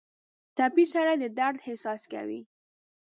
ټپي سړی د درد احساس کوي.